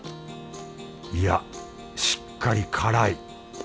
いやしっかり辛い！